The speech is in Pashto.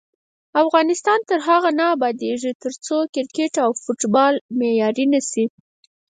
افغانستان تر هغو نه ابادیږي، ترڅو کرکټ او فوټبال معیاري نشي.